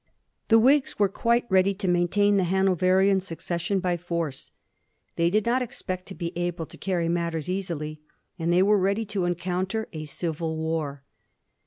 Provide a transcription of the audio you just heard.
The Whigs were quite ready to maintain the Haaoverian succession by force. They did not expect to be able to carry matters easily, and they were ready to encounter a civil war.